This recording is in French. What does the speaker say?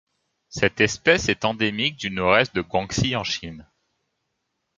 Cette espèce est endémique du Nord-Est du Guangxi en Chine.